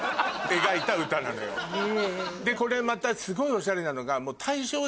でこれまたすごいオシャレなのが。